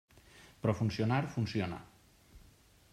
Però funcionar, funciona.